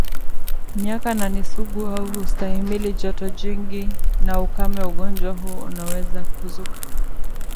miaka na ni sugu au hustahimili joto jingi na ukame Ugonjwa huu unaweza kuzuka